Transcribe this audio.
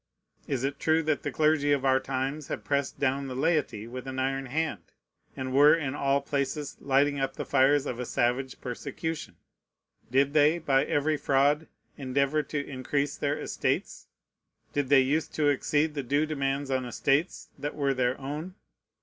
Is it true that the clergy of our times have pressed down the laity with an iron hand, and were in all places lighting up the fires of a savage persecution? Did they by every fraud endeavor to increase their estates? Did they use to exceed the due demands on estates that were their own?